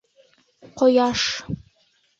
Ҡояш